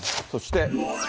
そして。